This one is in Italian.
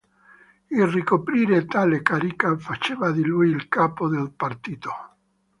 Il ricoprire tale carica faceva di lui il capo del partito.